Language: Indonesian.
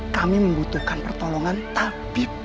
kami membutuhkan pertolongan tabib